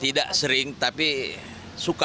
tidak sering tapi suka